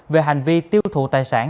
về hành vi tiêu thụ tài sản